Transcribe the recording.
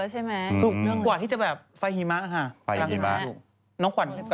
ถูกกว่าที่จะแบบไฟหิมะจริง